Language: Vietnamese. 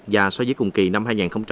và so với cùng kỳ năm hai nghìn một mươi tám